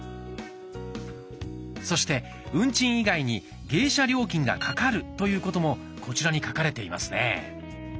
そして運賃以外に迎車料金がかかるということもこちらに書かれていますね。